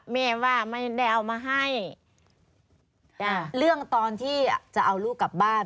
แม่ว่าไม่ได้เอามาให้เรื่องตอนที่จะเอาลูกกลับบ้าน